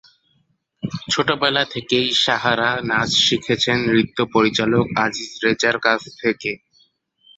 ছোটবেলা থেকেই সাহারা নাচ শিখেছেন নৃত্য পরিচালক আজিজ রেজার কাছে।